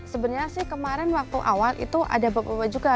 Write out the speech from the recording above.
sebenarnya sih kemarin waktu awal itu ada beberapa juga